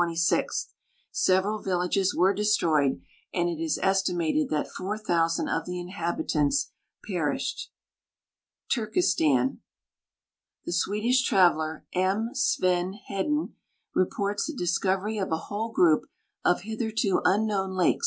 Several vil lages were destroyed, and it is estimated that 4,000 of the inhabitants perished. Turkestan. The Swedish traveler, M. Sven Iledin, reports the dis covery of a whole grouj) of hitherto unknown lake.